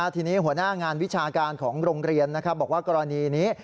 ทีนี้หัวหน้างานวิชาการของโรงเรียนบอกว่ากรณีนี้